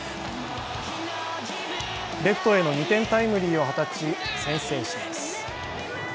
レフトへの２点タイムリーを放ち、先制します。